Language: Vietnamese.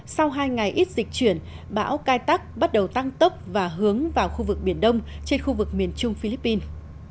sau hai ngày ít dịch chuyển bão cai tắc bắt đầu tăng tốc và hướng vào khu vực biển đông trên khu vực miền trung philippines